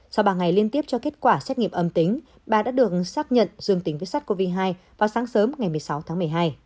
sau ba ngày liên tiếp cho kết quả xét nghiệm âm tính bà đã được xác nhận dương tính với sát covid một mươi chín vào sáng sớm ngày một mươi sáu tháng một mươi hai